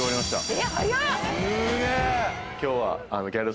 えっ早っ！